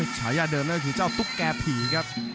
ฉายาเดิมก็คือเจ้าตุ๊กแก่ผีครับ